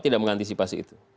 tidak mengantisipasi itu